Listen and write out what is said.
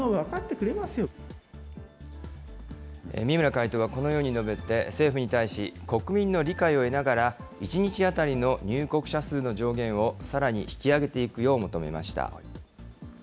三村会頭はこのように述べて、政府に対し、国民の理解を得ながら、１日当たりの入国者数の上限をさらに引き上げていくよう求めました。